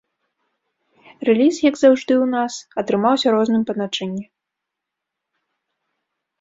Рэліз, як заўжды ў нас, атрымаўся розным па начынні.